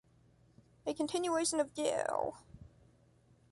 a Continuation of Guill.